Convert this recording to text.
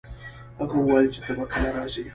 هغه وویل چي ته به کله راځي؟